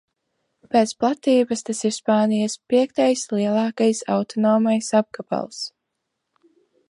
Pēc platības tas ir Spānijas piektais lielākais autonomais apgabals.